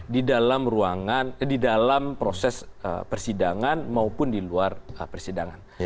di dalam ruangan di dalam proses persidangan maupun di luar persidangan